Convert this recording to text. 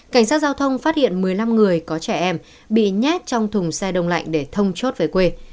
cảnh sát giao thông phát hiện một mươi năm người có trẻ em bị nhét trong thùng xe đông lạnh để thông chốt về quê